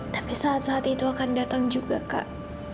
tapi saat saat itu akan datang juga kak